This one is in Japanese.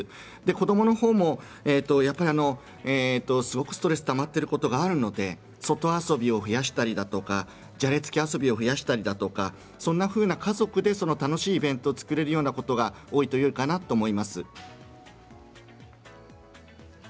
子どものほうもすごくストレスたまっていることがあるので外遊びを増やしたりじゃれつき遊びを増やしたり家族で楽しいイベントを作れるようなことが多いとよいかなと思います。